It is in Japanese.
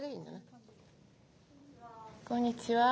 こんにちは。